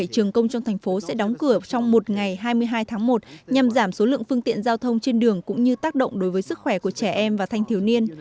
một mươi trường công trong thành phố sẽ đóng cửa trong một ngày hai mươi hai tháng một nhằm giảm số lượng phương tiện giao thông trên đường cũng như tác động đối với sức khỏe của trẻ em và thanh thiếu niên